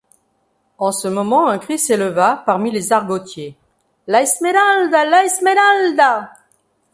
En ce moment un cri s’éleva parmi les argotiers: — La Esmeralda! la Esmeralda !